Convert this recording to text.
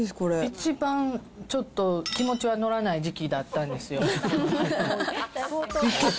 一番ちょっと気持ちが乗らない時期だったんですよ。